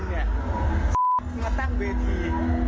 พี่น้องแบบนี้มีความเดือดร้อนของพี่น้องแบบนี้